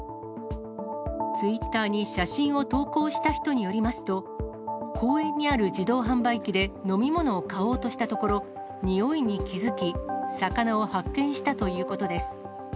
ツイッターに写真を投稿した人によりますと、公園にある自動販売機で飲み物を買おうとしたところ、においに気付き、魚を発見したということです。